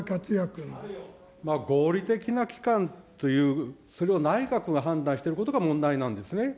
合理的な期間という、それを内閣が判断していることが問題なんですね。